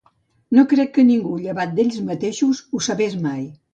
No crec que ningú, llevat d'ells mateixos, ho sabés mai.